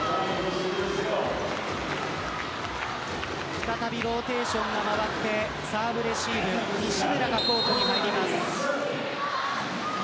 再びローテーションが回ってサーブレシーブ西村がコートに入ります。